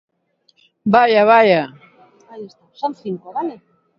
¡Vaia, vaia!